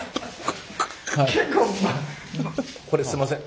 これすんません。